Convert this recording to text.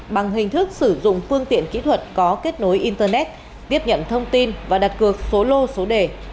bằng hình thức sử dụng phương tiện kỹ thuật có kết nối internet tiếp nhận thông tin và đặt cược số lô số đề